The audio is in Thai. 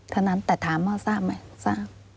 เท่านั้นแต่ถามว่าทราบไหมทราบ